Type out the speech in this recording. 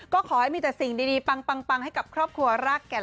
ก็ขอให้มีแต่สิ่งดีปังให้กับครอบครัวรากแก่น